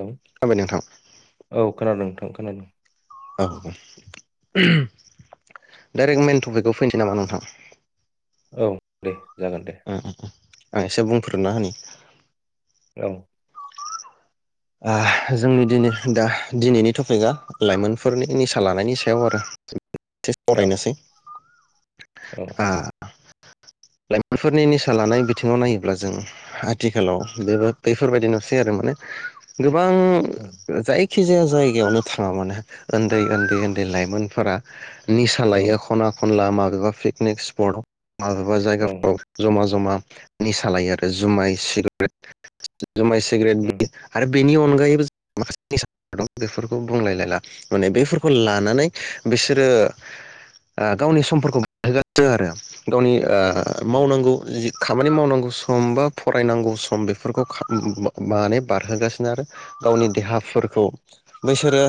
हेल' जाबाय नोंथां औ खोनादों नोंथां ओ खोनादों। औ डाइरेक्ट मेन टपिकआव फैनोसै नामा नोंथां? औ दे। जागोन दे [unintelligible] आं एसे बुंफोरोना होनि। औं जोंनि दिनै दा दिनैनि टपिकआ लाइमोनफोरनि निसा लानायनि सायाव आरो। दे औ सावरायनोसै। औ लाइमोनफोरनि निसा लानाय बिथिङाव नायोब्ला जों आथिखालाव बे बैफोरबायदि नुसै आरो माने गोबां उम जाय खि जाया जायगायावनो थाङा मानो उन्दै उन्दै उन्दै लाइमोनफोरा निसा औ लायो खना खनला [unintelligible] पिकनिक स्पटआव माबेबा औ जायगाफ्राव जमा ज मा निसा लायो आरो जुमाय सिगारेट जुमाइ सिग्रेट उम बि बेनि अनगायैबो माखासे निसा दं बेफोरखौ बुंलायलायला माने बेफोरखौ लानानै बिसोरो गावनि समफोरखौ [unintelligible] आरो गावनि औ मावनांगौ जि खामानि मावनांगौ सम बा फरायनांगौ सम बेफोरखौ माने बारहोगासिनो आरो गावनि देहाफोरखौ बैसोरो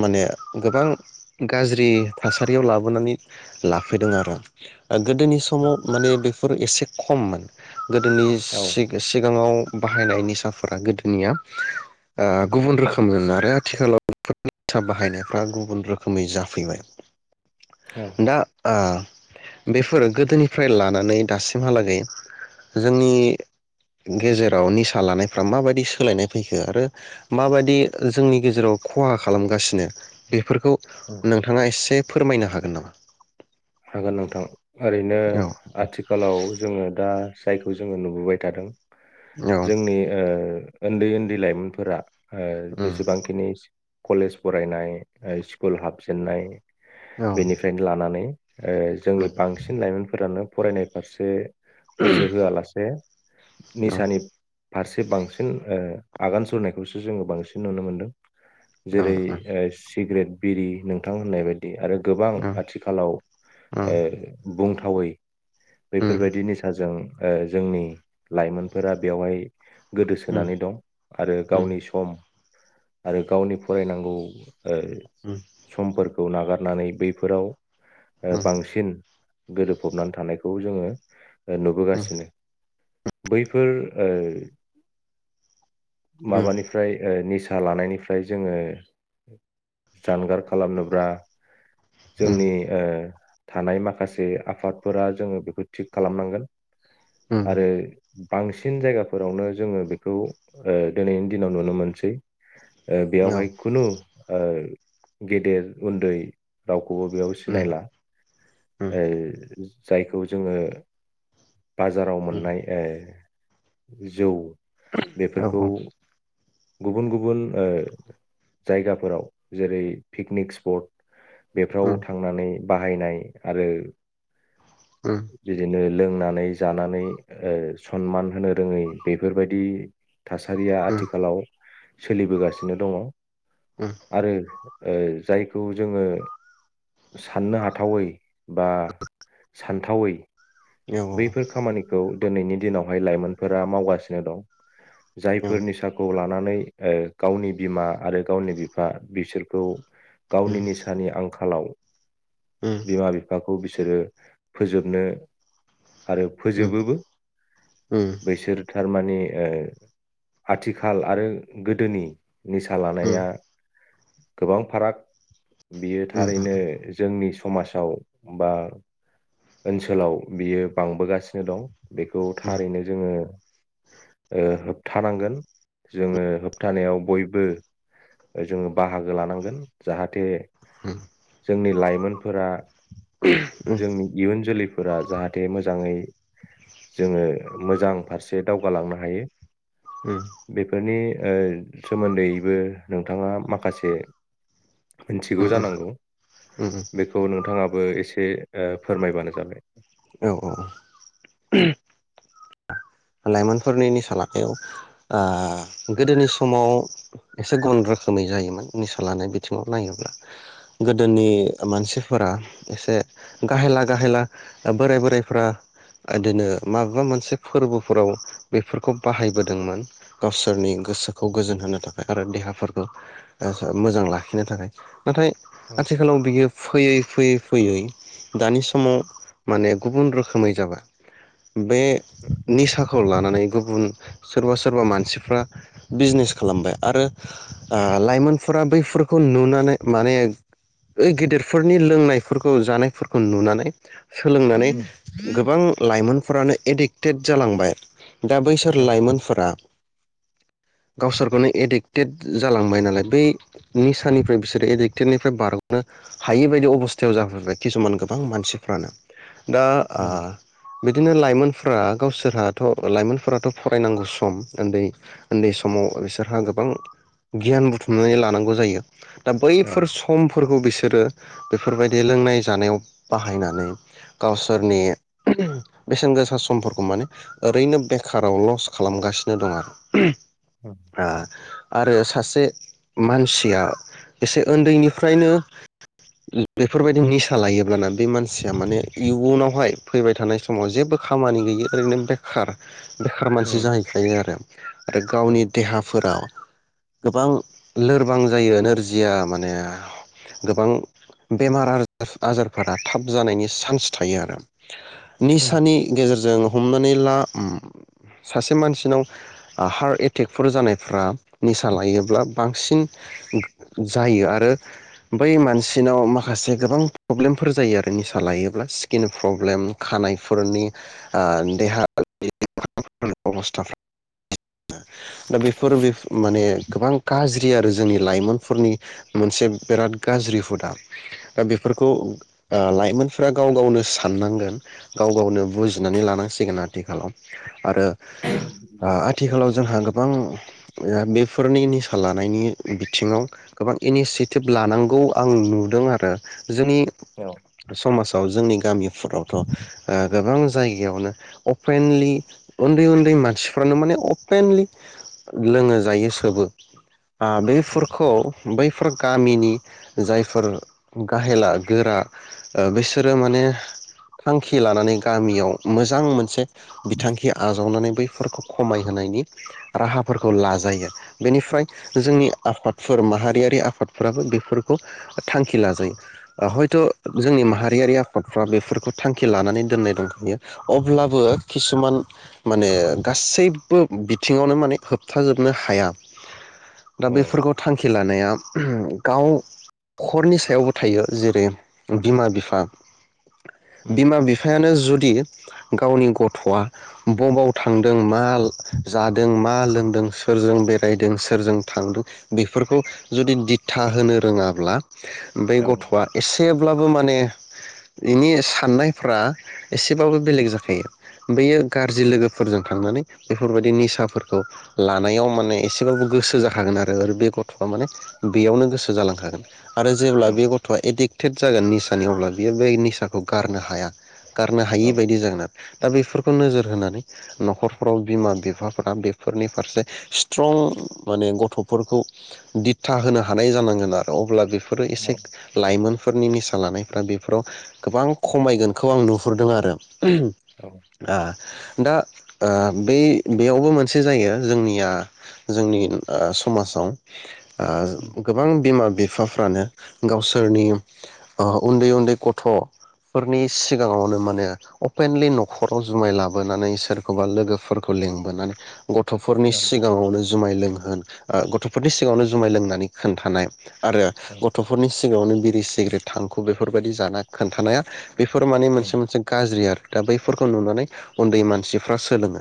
माने गोबां गाज्रि थासारियाव लाबोनानै लाफैदों आरो। गोदोनि समाव माने बे फोर एसे खममोन। गोदोनि औ सि-सिगाङाव बाहायनाय निसाफोरा गोदो निया ओ गुबुन रोखोममोन आरो आथिखालाव नि [unintelligible] बाहायनायफ्रा गुबुन रोखोमै औ जाफैबाय। दा आ बेफोर गोदोनिफ्राय लानानै दासिमहालागै जोंनि गेजेराव निसा लानायफ्रा माबायदि सोलायनाय फैखो आरो माबायदि जोंनि गेजेराव खहा खालामगासिनो बे फोरखौ उम नोंथाङा एसे फोरमायनो हागोन नामा? हागोन नोंथां। ओरैनो आथिखालाव जोङो दा जायखौ जोङो नुबोबाय थादों। जोंनि ओ ओन्दै ओन दै लाइमोनफोरा ओ जेसेबांखिनि कलेज फरायनाय स्कुल हाबजेननाय बेनिफ्रायनो लानानै ओ जोंनि बांसिन लाइमोनफोरानो फरायनाय फारसे गोसो होआलासे निसानि फारसे बांसिन ओ आगान सुरनायखौसो जोङो बांसिन नुनो मोन्दों। जेरै ओ सि सिग्रेट बिरि नोंथां होननाय बायदि बि आरो गोबां आथिखालाव ओ बुंथावै बेफोरबायदि निसाजों ओ जोंनि लाइमोनफोरा बेवहाय गोदोसोनानै दं आरो गावनि सम आरो गावनि फरायनांगौ ओ समफोरखौ नागार नानै बैफोराव ओ बांसिन गोदोफबनानै थानायखौ जोङो ओ नुबोगासिनो। बैफोर ओ माबानिफ्राय ओ नि सा लानायनिफ्राय जोङो जानगार खालामनोब्रा जोंनि ओ थानाय माखासे आफादफोरा जोङो बेखौ थिग खालामनांगोन। आरो बांसिन जायगाफोरावनो जोङो बेखौ ओ दिनैनि दिनाव नुनो मोनसै। ओ बेयावहाय खुनु ओ गेदेर उन्दै राव खौबो बेयाव सिनायला। ऐ जायखौ जोङो बाजाराव मोननाय ए जौ बेफोरखौ गुबुन गुबुन ओ जायगाफोराव। जेरै पिकनिक स्पट बेफ्राव थांनानै बाहायनाय आरो बिदिनो लोंनानै जानानै ओ सनमान होनो रोङै बेफोरबायदि थासारिया आथिखालाव सोलिबोगासिनो दङ। आरो ओ जायखौ जोङो साननो हाथावै बा सानथावै बैफोर खामानिखौ दोनैनि दिनावहाय लाइमोनफोरा मावगासिनो दं। जायफोर निसाखौ ला नानै अ गावनि बिमा आरो गावनि बिफा बिसोरखौ गावनि निसानि आं खालाव बिमा बिफाखौ बि सोरो फोजोबनो आरो फोजोबोबो बैसोर थारमा ने अ आथिखाल आरो गोदोनि निसा लानाया गोबां फाराग बियो थारैनो जोंनि समाजाव बा ओनसोलाव बियो बांबोगासिनो दं। बेखौ थारैनो जोङो ओह होबथानांगोन जोङो होबथानायाव बयबो ओह जोङो बाहागो लानांगोन जाहाथे हम जोंनि लाइमोनफोरा जोंनि इयुन जोलैफोरा मोजाङै जोङो मोजां फारसे दावगालांनो हायो‌। बेफोरनि ओह सोमोन्दैबो नोंथाङा माखासे मोनथिगौ जानांगौ बेखौ नोंथाङा बो एसे ओह फोरमायबानो जाबाय। औ औ लाइमोनफोरनि निसा लानायाव ओह गोदोनि समाव एसे गुबुन रोखोमै जायोमोन निसा लानाय बिथिङाव नायोब्ला गोदोनि मानसिफोरा एसे गाहेला गाहेला ओह बोराय बोरायफोरा इदिनो माबाबा मोनसे फोरबो फोराव बेफोरखौ बाहायबोदोंमोन गावसोरनि गोसोखौ गोजोन होनो थाखाय आरो देहाफोरखो ओह मोजां लाखिनो थाखाय नाथाय औ आथिखालाव बियो फैयै फैयै फैयै दानि समाव माने गुबुन रोखोमै जाबाय बे निसाखौ लानानै गुबुन सोरबा सोरबा मानसिफ्रा बिजनेस खालामबाय आरो ओह लाइमोनफोरा बैफोरखौ नुनानै माने ओइ गेदेरफोरनि लोंनायफोरखौ जानायफोरखौ नुनानै सोलोंनानै उम गोबां लाइमोन फोरानो एडिक्ट टेट जालांबाय दा बैसोर औ लाइमोनफोरा गावसोरखौनो एडिक्टेड जालांबाय नालाय बै निसानिफ्राय बिसोरो एडिक्टेडनिफ्राय बारग'नो हायि बायदि अबस्थायाव जाफैबाय खिसुमान गोबां मानसिफ्रानो दा औ आह बिदिनो लाइमोन फोरा गावसोरहाथ' लाइमोनफोराथ' फरायनांगौ सम उन्दै-उन्दै समाव बिसोरहा गोबां गियान बुथुमनानै लानांगौ जायो दा औ बैफोर समफोर खौ बिसोरो बेफोरबायदि लोंनाय जानायाव बाहायनानै गावसोरनि उहुम बेसेन गोसा समफोरखौ माने ओरैनो बेखाराव लस खालामगासिनो दं आरो उहुम उम आह आरो सासे मानसिया एसे उन्दैनिफ्रायनो बेफोरबायदि निसा लायोब्लाना बे मानसिया माने इयुनावहाय फैबाय थानाय समाव जेबो खा खामानि गैयै ओरैनो बेखार बेखार मानसि उम जाहैखायो आरो औ गावनि देहाफोराव गोबां लोरबां जायो नोरजिया माने गोबां बेमार आ-आजारफोरा थाब जानायनि चान्स थायो आरो औ निसानि खो जों हमनानै ला उम सासे मानसिनाव आह हार्ट एटेकफोर जानायफ्रा निसा लायोब्ला बांसिन जायो आरो बै मानसिनाव माखासे गोबां प्रब्लेमफोर जायो आरो निसा लायोब्ला स्किन प्रब्लेम, खानायफोरनि आह देहानि [unintelligible] दा बेफोरो बेफ माने गोबां गाज्रि आरो जोंनि लाइमोन लाइमोनफोरनि मोनसे बिराद गाज्रि हुदा दा बेफोरखौ लाइमोनफोरा गाव गावनो साननांगोन गाव गावनो। बुजिनानै लानांसिगोन आथिखालाव आरो आथिखालाव जोंहा गोबां बेफोरनि निसा लानायनि बिथिङाव गोबां इनिसियेटिभ लानांगौ आं नुदों आरो। जोंनि औ समाजाव। औ जोंनि गामिफोरावथ। गोबां जायगायावनो अपेनलि उन्दै उन्दै मानसिफ्रानो माने अपेनलि लोंङो जायो सोबो। उम बेफोरखौ बैफोर। गामिनि जायफोर गाहेला गोरा बिसोरो माने थांखि लानानै। गामियाव मोजां मोनसे। बिथांखि आजावनानै बैफोरखौ खमायहोनायनि राहाफोरखौ लाजायो। जे बेनिफ्राय जोंनि आफादफोर माहारियारि आफादफ्राबो बेफोरखौ थांखि लाजायो हयथ जोंनि माहारियारि आफादफ्रा बेफोरखौ थांखि लानानै दोननाय। दंखायो अब्लाबो किसुमान माने गासैबो बिथिङावनो माने होबथाजोबनो हाया। दा औ बेफोरखौ थांखि लानो। लानाया गाव नखरनि सायावबो थायो जेरै बिमा बिफा। उम बिमा बिफायानो। गावनि गथआ बबाव थांदों मा जादों मा लोंदों सोरजों बेरायदों सोरजों थांदों बेफोरखौ जुदि दिथा होनो रोङाब्ला। बै औ गथआ एसेब्लाबो माने। बेनि साननायफ्रा। एसेबाबो बेलेग जाखायो बेयो। गाज्रि लोगोफोरजों थांनानै। बेफोरबायदि निसाफोरखौ लानायाव माने एसे। एसेबाबो गोसो जाखागोन आरो बे गथआ माने बेयावनो गोसो जालांखागोन आरो जेब्ला बे गथआ एदिक। इडिगट्टे जागोन निसानि अब्ला बियो अब्ला निसाखौ गारनो हाया। गारनो हायि औ औ उम बायदि जागोन। दा बेफोरखौ नोजोर होनानै न'खरफोराव बिमा बिफाफोरा बेफोरनि फारसे स्ट्रं माने गथ'फोरखौ दिथा होनो हानाय जानांगोन आरो अब्ला बेफोर। औ एसे लाइमोनफोरनि निसा लानायफ्रा बेफोराव गोबां खमायगोनखौ आं नुहु रदों आरो। दा ओ बै-बेयावबो मोनसे जायो जोंनिया जोंनि ओ समाजाव ओ गोबां बिमा बिफा बिफाफ्रानो गावसोरनि ओ उन्दै उन्दै गथ'फोरनि सिगाङावनो माने अपेनलि न'खराव जुमाय लाबोनानै सोरखौबा लोगोफोरखौ लिंबोनानै गथ'फोरनि सिगाङावनो जुमाय लोङो गथ'फोरनि सिगाङावनो जुमाय लोंनानै खोन्थानाय आरो गथ'फोरनि सिगाङावनो बिरि सिग्रेट थांखु बेफोरबायदि जाना खोन्थानाया बेफोर माने मोनसे मोन से गाज्रि आरो दा बैफोरखौ नुनानै उन्दै मानसिफ्रा सोलोङो।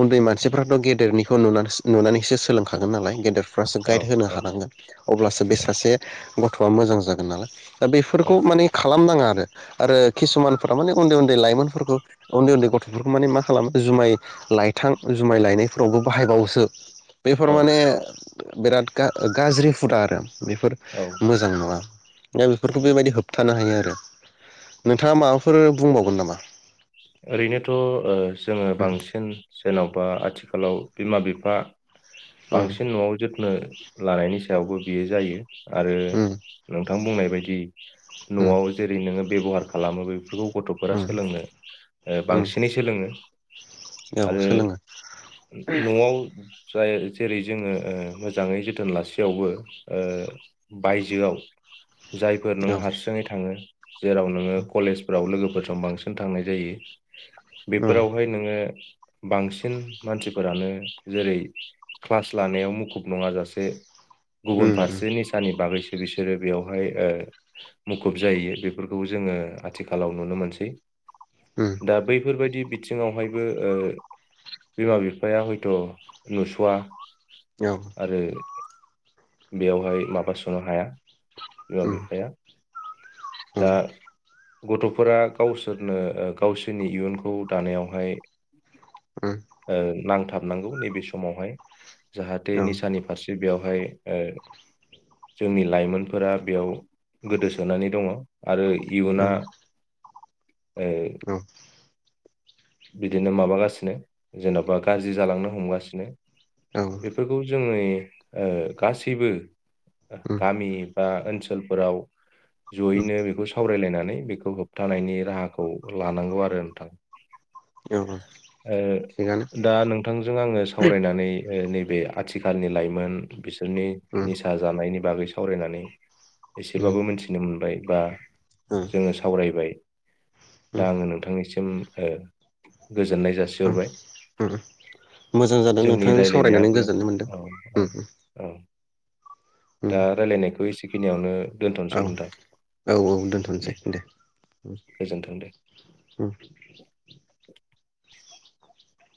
उन्दै मानसिफ्राथ गेदेरनि खौ नुना नुनानैसो सोलोंखागोन नालाय गेदेर फ्रासो गाइड होनो हानांगोन अब्लासो बे सासे गथ'आ मोजां जागोन नालाय। दा बेफोरखौ माने खालामनाङा आरो। आरो किसुमानफोरा माने उन्दै लाइमोनफोरखौ उन्दै उन्दै गथ'फोरखौ माने मा खालामो जुमाय लाायथां जुमाय लायनायफोरावबो बाहायबावोसो बेफोर औ माने बिराद गा-गाज्रि हुदा आरो बेफोर औ मोजां नङा दा बेफोरखौ बेबायदि होबथानाय नो हायो आरो। नोंथाङा माबाफोर बुंबावगोन नामा? ओरैनोथ' ओ जोङो उम बांसिन जेनबा आथिखालाव बिमा बिफा उम बांसिन न'आव जोथनो लानायनि सायावबो बियो जायो। आरो उम नोंथां बुंनाय बायदि न'आव जेरै नोङो बेबहार खालामो बेफोरखौ गथफोरा उम सोलोंनो उम बांसिनै सोलोङो औ आरो सोलोङो नआव जाय जेरै जोङो ओ मोजाङै जोथोन लासेयावबो ओ बायजोआव जायफोर नों औ हारसिङै थाङो जेराव नोङो कलेजफ्राव लोगो- [unintelligible] बांसिन थांनाय जायो औ बेफोरावहाय नोङो बांसिन मानसिफोरानो जेरै क्लास लानायाव मुखुब नङाजासे गुबुन उम फारसे निसानि बागैसो बिसोरो बेयावहाय ओ मुखुब जायो बेफोरखौ जोङो आथिखालाव नुनो मोनसै उम दा बैफोरबायदि बिथिंआवहायबो बिमा बिफाया हयथ' नुस'वा औ आरो बेयावहाय माबा स'नो हाया बिमा बिफाया दा गथ'फोरा गावसो सोरनो गावसोरनि इयुनखौ दानायावहाय ओ नां हाबनांगौ नैबे समावहाय जाहाथे औ निसानि फारसे बेवहाय ओ जोंनि लाइमोनफोरा बेयाव गोदोसोनानै दङ आरो इयुना ओ औ बिदिनो माबागासिनो जेन'बा गाज्रि जालांनो हमगासिनो उम बेफोरखौ जोङो ओ गासैबो उम गामि बा ओनसोलफोराव जयैनो बेखौ सावरायलायना नै बेखौ होबथानायनि राहाखौ लानांगौ आरो नोंथां औ ओ थिगानो दा नोंथांजों आङो सावरायनानै ओ नैबे आथिखालनि लाइमोन बिसोरनि उम निसा जानायनि बागै सावरायनानै एसेबाबो मिनथिनो मोनबाय। बा उम जोङो सावरायबाय। उम दा आङो नोंथांनिसि सिम ओ गोजोननाय उम जासिहरबाय उम मोजां जादों जोंनि नोंथांजों सावरायनानै रायलायनायाबो गोजोननाय मोनदों। औ ओम औ ओम। औ दा रायलायनायखौ एसे बेखिनियावनो औ औ औ दोनथ'नोसै दे। उम गोजोन्थों दे। उम।